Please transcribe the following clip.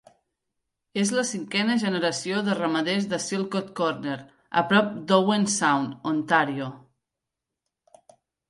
És la cinquena generació de ramaders de Silcote Corner, a prop d'Owen Sound, Ontario.